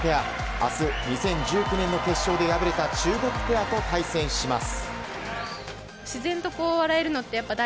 明日、２０１９年の決勝で敗れた中国ペアと対戦します。